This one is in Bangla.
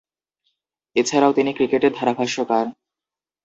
এছাড়াও তিনি ক্রিকেটের ধারাভাষ্যকার।